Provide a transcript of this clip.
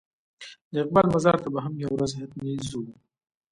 د اقبال مزار ته به هم یوه ورځ حتمي ځو.